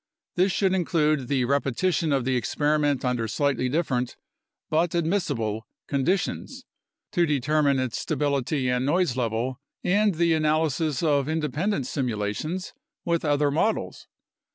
This should include the repetition of the experiment under slightly different (but admissible) conditions to determine its stability and noise level and the A NATIONAL CLIMATIC RESEARCH PROGRAM 91 analysis of independent simulations with other models.